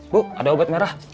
bu ada obat merah